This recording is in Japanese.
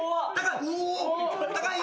高い。